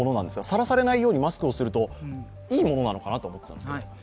さらされないようにマスクをするといいものなのかなと思っていたんですけど。